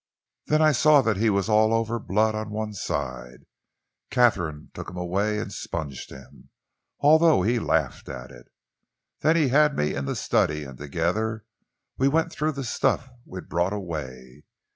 "Then I saw that he was all over blood on one side. Katharine took him away and sponged him, although he laughed at it. Then he had me in the study and together we went through the stuff we'd brought away.